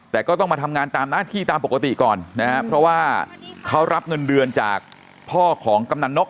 แต่ก็ต้องมาทำงานตามหน้าที่ตามปกติก่อนนะครับเพราะว่าเขารับเงินเดือนจากพ่อของกำนันนก